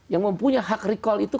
yang mempunyai hak recall itu